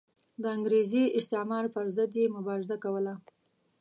د انګریزي استعمار پر ضد یې مبارزه کوله.